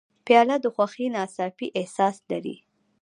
پیاله د خوښۍ ناڅاپي احساس لري.